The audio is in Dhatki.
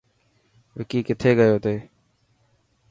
وڪي ڪٿي گيو تي.